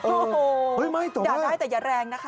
โอ้โฮโดดาที่จะแรงนะคะ